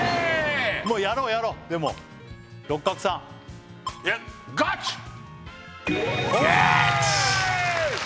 もうやろうやろうでも六角さんよーし！